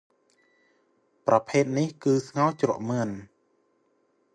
ប្រភេទនេះ គឺស្ងោជ្រក់មាន់ ។